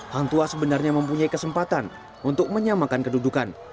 hang tuas sebenarnya mempunyai kesempatan untuk menyamakan kedudukan